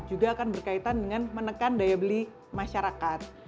juga akan berkaitan dengan menekan daya beli masyarakat